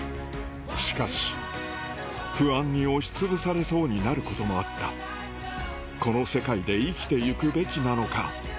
しかし不安に押しつぶされそうになることもあったこの世界で生きていくべきなのか？